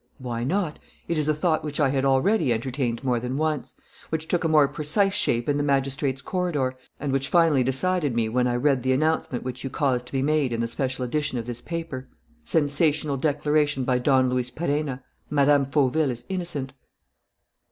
"Why not? It is a thought which I had already entertained more than once, which took a more precise shape in the magistrates' corridor, and which finally decided me when I read the announcement which you caused to be made in the special edition of this paper: 'Sensational declaration by Don Luis Perenna. Mme. Fauville is innocent!'"